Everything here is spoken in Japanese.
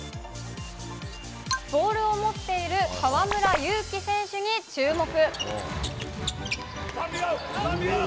ボールを持っている河村勇輝選手に注目。